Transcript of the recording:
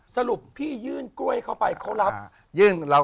สรุปพี่ยื่นกล้วยเข้าไปเขารับ